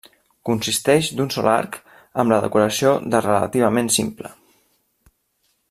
Consisteix d'un sol arc amb la decoració de relativament simple.